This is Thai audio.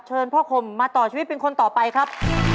เชิญพ่อคมมาต่อชีวิตเป็นคนต่อไปครับ